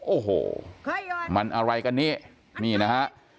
โอ้โหมันอะไรกันนี่นี่นะฮะ